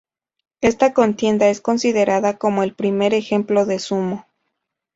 Esta contienda es considerada como el primer ejemplo de sumo.